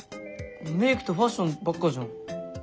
メークとファッションばっかじゃん。